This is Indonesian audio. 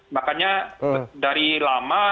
makanya dari lama